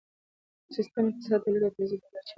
سیستم اقتصادي د تولید او توزیع د لارې چارې ټاکي.